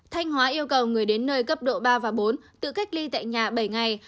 thanh hóa yêu cầu người đến nơi cấp độ ba và bốn tự cách ly tại nhà bảy ngày